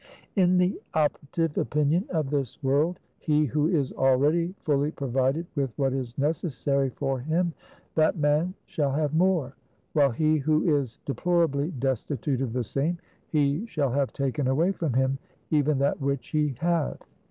In the operative opinion of this world, he who is already fully provided with what is necessary for him, that man shall have more; while he who is deplorably destitute of the same, he shall have taken away from him even that which he hath.